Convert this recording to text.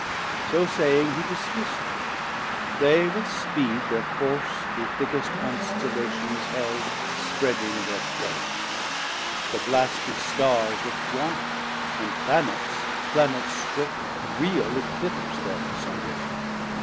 So saying he dismiss'd them, they with speed 410 Thir course through thickest Constellations held Spreading thir bane; the blasted Starrs lookt wan, And Planets, Planet strook, real Eclips Then sufferd.